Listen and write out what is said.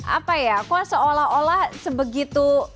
apa ya kok seolah olah sebegitu